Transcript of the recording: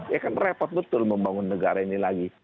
ya kan repot betul membangun negara ini lagi